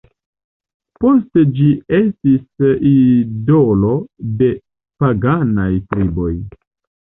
Poste ĝi estis idolo de paganaj triboj.